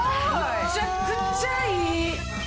むちゃくちゃいい。